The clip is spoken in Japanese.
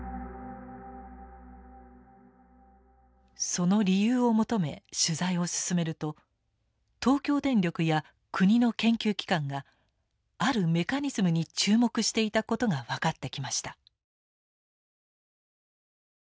その理由を求め取材を進めると東京電力や国の研究機関があるメカニズムに注目していたことが分かってきました。